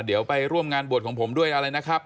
เดี๋ยวไปร่วมงานบวชของผมด้วยอะไรนะครับ